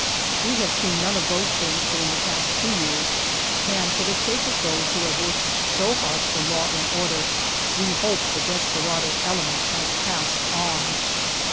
We have seen none of those things during the past two years, and for the sake of those who have worked so hard for law and order, we hope the desperado element has passed on.